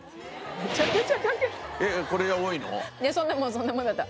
そんなもんだった。